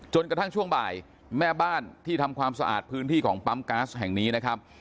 กระทั่งช่วงบ่ายแม่บ้านที่ทำความสะอาดพื้นที่ของปั๊มก๊าซแห่งนี้นะครับ